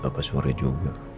bapak sore juga